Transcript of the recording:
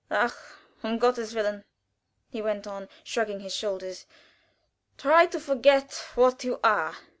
"Ach, um Gotteswillen!" he went on, shrugging his shoulders, "try to forget what you are!